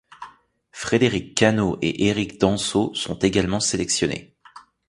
Frédéric Cano et Eric Dansault sont également sélectionnés.